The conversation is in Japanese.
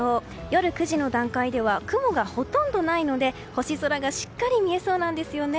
夜９時の段階では雲がほとんどないので星空がしっかり見えそうなんです。